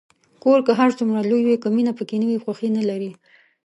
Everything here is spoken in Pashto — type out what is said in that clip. کور که هر څومره لوی وي، که مینه پکې نه وي، خوښي نلري.